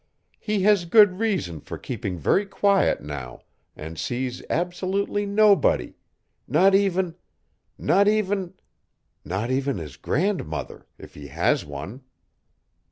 He has good reason for keeping very quiet now and sees absolutely nobody, not even not even not even his grandmother, if he has one."